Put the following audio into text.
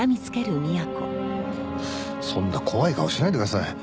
そんな怖い顔しないでください。